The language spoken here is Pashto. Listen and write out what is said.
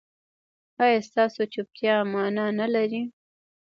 ایا ستاسو چوپتیا معنی نلري؟